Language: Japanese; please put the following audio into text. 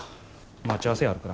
待ち合わせあるから。